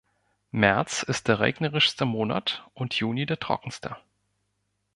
März ist der regnerischste Monat, und Juni der trockenste.